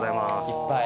「いっぱい」